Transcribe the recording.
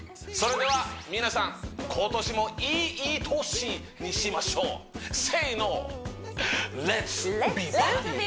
それでは皆さん今年もいい年にしましょうせーの「レッツ！